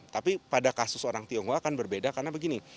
tapi pada kasus orang tionghoa kan berbeda karena begini